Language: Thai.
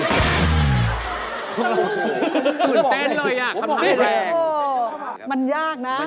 ตื่นเต้นเลยอยากทำแบบแรง